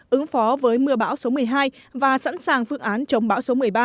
ứng phó với mưa bão số một mươi hai và sẵn sàng phương án chống bão số một mươi ba